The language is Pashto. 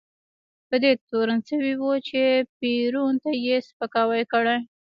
په دې تورن شوی و چې پېرون ته یې سپکاوی کړی.